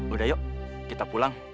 udah yuk kita pulang